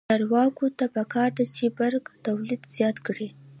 چارواکو ته پکار ده چې، برق تولید زیات کړي.